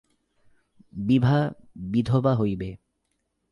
বিভা বিধবা হইবে।